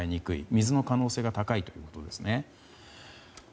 水の可能性が高いということですね。